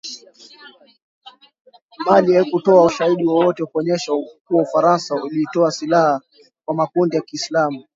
Mali haikutoa ushahidi wowote kuonyesha kuwa Ufaransa ilitoa silaha kwa makundi ya Kiislamu